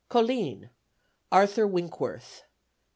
Colline ARTHUR WINCKWORTH.